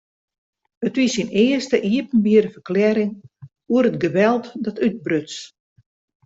It wie syn earste iepenbiere ferklearring oer it geweld dat útbruts.